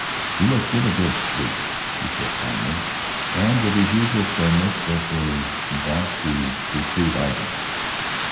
"You must get a good sleep," he said kindly, and with his usual firmness that was wont to preclude argument.